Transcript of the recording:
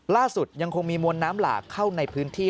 ล่าสุดยังคงมีมวลน้ำหลากเข้าในพื้นที่